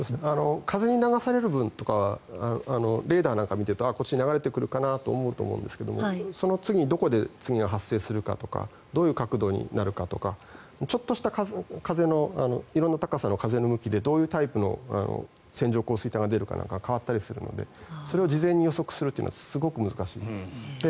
風に流される分とかはレーダーなんか見ているとこっちに流れてくるかなと思うんですがその次にどこで次が発生するかとかどういう角度になるかとか色んな高さの風の向きとかでどういうタイプの線状降水帯が出るのかが変わったりするのでそれを事前に予測するというのはすごく難しいです。